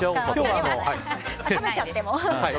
食べちゃっても。